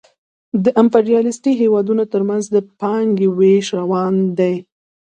د امپریالیستي هېوادونو ترمنځ د پانګې وېش روان دی